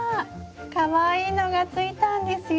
かわいいのがついたんですよ。